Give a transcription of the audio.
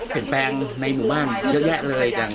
เป็นผู้ต้องสูงสายอาจารย์เด็กหญิงอายุ๕ขวด